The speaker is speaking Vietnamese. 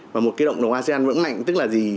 và một cộng đồng asean vững mạnh tức là gì